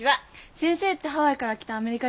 先生ってハワイから来たアメリカ人なんやろ？